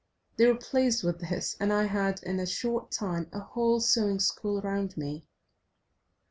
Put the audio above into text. They were pleased with this, and I had in a short time a whole sewing school round me.